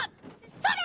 それ！